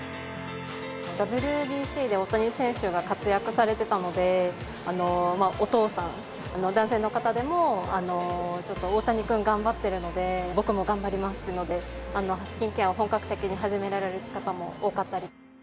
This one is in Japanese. ＷＢＣで大谷選手が活躍されてたので、お父さん、男性の方でも、ちょっと大谷君頑張ってるので、僕も頑張りますっていうので、スキンケアを本格的に始められる方も多かったり。